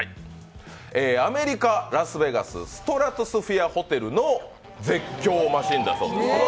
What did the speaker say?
アメリカ・ラスベガスストラトスフィアホテルの絶叫マシーンだそうです。